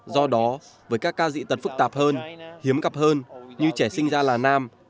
do đó với các ca dị tật phức tạp hơn hiếm gặp hơn như trẻ sinh ra là nam